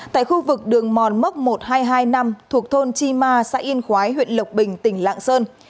tại khu vực đường mòn mốc một nghìn hai trăm hai mươi năm thuộc thôn chi ma xã yên khói huyện lộc bình tỉnh lạng sơn